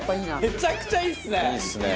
めちゃくちゃいいっすね。